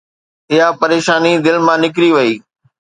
اها پريشاني دل مان نڪري وئي.